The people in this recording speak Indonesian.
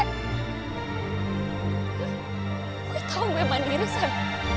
gue tau gue mandiri sam